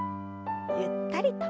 ゆったりと。